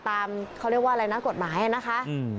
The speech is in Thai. ตามเขาเรียกว่ากฎหมายนะคะ